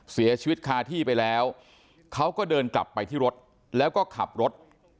เสียชีวิตคาที่ไปแล้วเขาก็เดินกลับไปที่รถแล้วก็ขับรถ